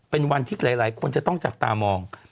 เป็นวันที่หลายคนจะต้องจับตามอง